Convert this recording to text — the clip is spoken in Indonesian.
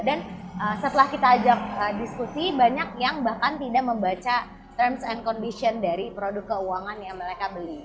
dan setelah kita ajak diskusi banyak yang bahkan tidak membaca terms and condition dari produk keuangan yang mereka beli